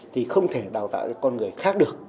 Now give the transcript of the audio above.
thì không thể đào tạo cho con người khác được